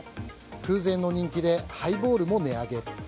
空前の人気でハイボールも値上げ。